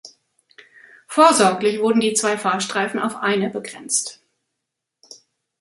Vorsorglich wurden die zwei Fahrstreifen auf eine begrenzt.